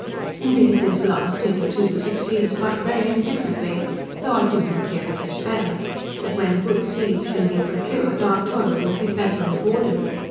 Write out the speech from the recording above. Indeed this last hitherto succeeds but very indifferently, though I do not yet despair, that when good seeds can be procured, our toil will be better rewarded.